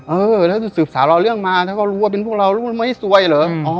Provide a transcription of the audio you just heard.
เออแล้วสืบสารเรื่องมาเขาก็รู้ว่าเป็นพวกเรามันไม่สวยเหรอ